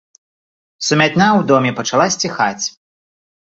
Сумятня ў доме пачала сціхаць.